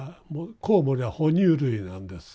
コウモリは哺乳類なんです。